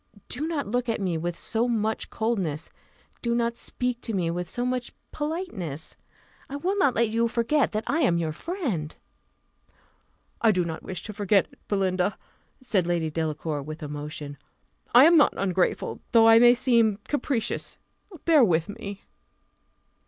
Do not look at me with so much coldness; do not speak to me with so much politeness. I will not let you forget that I am your friend." "I do not wish to forget it, Belinda," said Lady Delacour, with emotion; "I am not ungrateful, though I may seem capricious bear with me."